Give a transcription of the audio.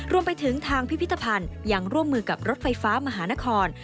รวมไปถึงทางพิพิธภัณฑ์ยังร่วมมือกับรถไฟฟ้ามหานคร